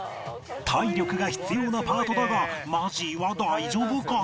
体力が必要なパートだがマジーは大丈夫か？